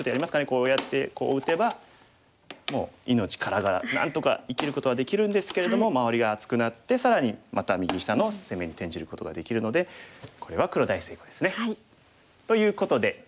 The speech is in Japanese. こうやってこう打てばもう命からがらなんとか生きることはできるんですけれども周りが厚くなって更にまた右下の攻めに転じることができるのでこれは黒大成功ですね。ということで。